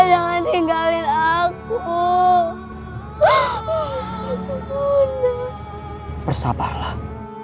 ini semua takdir dari allah allah